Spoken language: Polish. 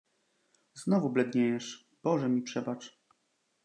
"znowu bledniejesz... Boże mi przebacz!"